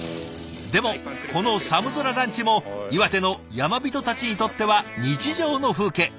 でもこの寒空ランチも岩手の山人たちにとっては日常の風景。